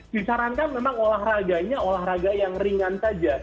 disarankan memang olahraganya olahraga yang ringan saja